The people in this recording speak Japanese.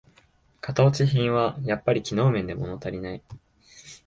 型落ち品はやっぱり機能面でものたりない